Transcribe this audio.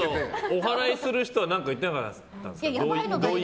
お祓いした人何か言ってなかったんですか？